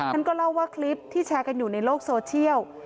ท่านก็เล่าว่าคลิปที่แชร์กันอยู่ในโลกโซเชียล